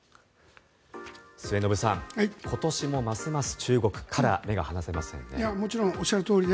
末延さん、今年もますます中国から目が離せませんね。